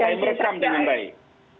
saya meresam dengan baik